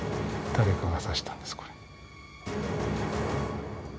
誰かがさしたんです、これ。